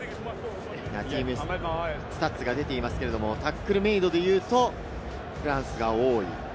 スタッツが出ていますが、タックルメイドで言いますと、フランスが多い。